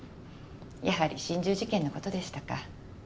やはり心中事件のことでしたか。